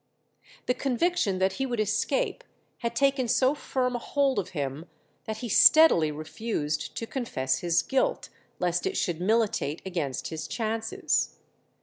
The conviction that he would escape had taken so firm a hold of him, that he steadily refused to confess his guilt, lest it should militate against his chances.